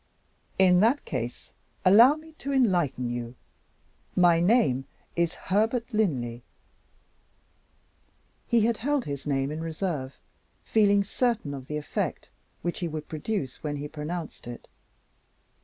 "In that case allow me to enlighten you. My name is Herbert Linley." He had held his name in reserve, feeling certain of the effect which he would produce when he pronounced it.